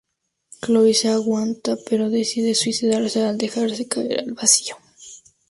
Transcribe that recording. Chloe se aguanta pero decide suicidarse al dejarse caer al vacío.